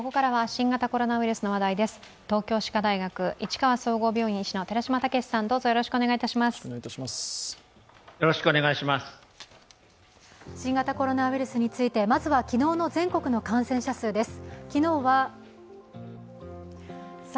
新型コロナウイルスについてまずは昨日の全国の感染者数です。